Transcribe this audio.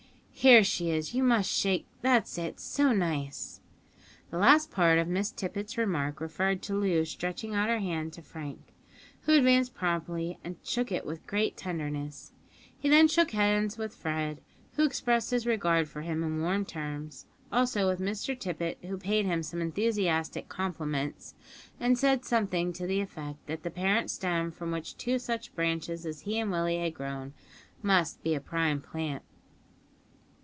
Here she is. You must shake that's it so nice!" The last part of Miss Tippet's remark referred to Loo stretching out her hand to Frank, who advanced promptly and shook it with great tenderness. He then shook hands with Fred, who expressed his regard for him in warm terms; also with Mr Tippet, who paid him some enthusiastic compliments, and said something to the effect that the parent stem from which two such branches as he and Willie had grown must be a prime plant.